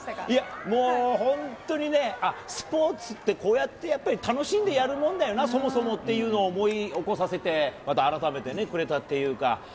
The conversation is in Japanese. いや、もう本当にね、スポーツってこうやってやっぱり楽しんでやるもんだよな、そもそもっていうのを思い起こさせて、また改めて、くれたというか。